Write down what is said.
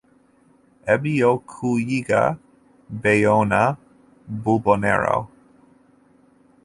Eby'okuyiga byonna bubonero.